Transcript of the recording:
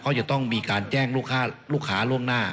เขาจะต้องมีการแจ้งลูกค้าล่วงหน้า